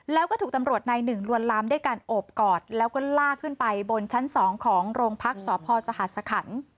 แล้วก็ถูกตำรวจนายหนึ่งลวนลำได้การอบกอดแล้วก็ล่าขึ้นไปบนชั้นสองของโรงพักสอบพ่อสหสขันต์